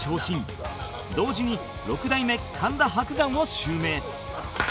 同時に六代目神田伯山を襲名